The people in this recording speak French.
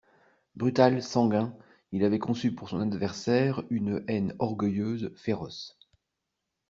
Brutal, sanguin, il avait conçu pour son adversaire une haine orgueilleuse, féroce.